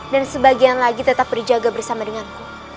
dan sebagian lagi tetap berjaga bersama denganku